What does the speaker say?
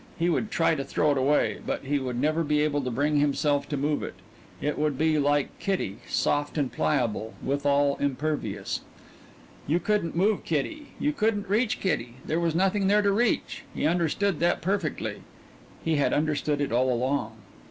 He would try to throw it away, but he would never be able to bring himself to move it. It would be like Kitty, soft and pliable, withal impervious. You couldn't move Kitty; you couldn't reach Kitty. There was nothing there to reach. He understood that perfectly he had understood it all along.